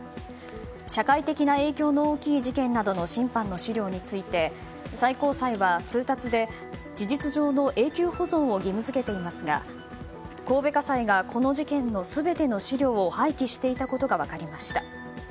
社会的な影響の大きい事件などの審判の資料について最高裁は、通達で事実上の永久保存を義務付けていますが、神戸家裁がこの事件の全ての資料を廃棄していたことが分かりました。